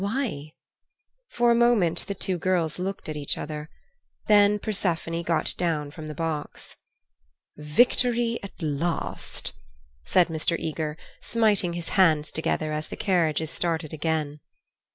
Why? For a moment the two girls looked at each other. Then Persephone got down from the box. "Victory at last!" said Mr. Eager, smiting his hands together as the carriages started again.